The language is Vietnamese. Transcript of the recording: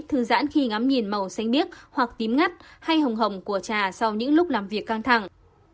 thư giãn khi ngắm nhìn màu xanh biếc hoặc tím ngắt hay hồng hồng của trà sau những lúc làm việc căng thẳng